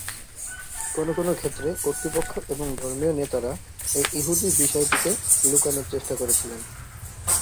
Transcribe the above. কোন কোন ক্ষেত্রে কর্তৃপক্ষ এবং ধর্মীয় নেতারা এই ইহুদী বিষয়টিকে লুকানো চেষ্টা করেছিলেন।